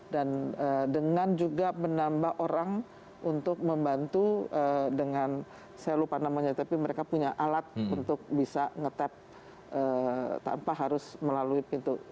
dan dengan juga menambah orang untuk membantu dengan saya lupa namanya tapi mereka punya alat untuk bisa nge tap tanpa harus melalui pintu